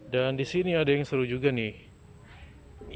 dan di sini ada yang seru juga nih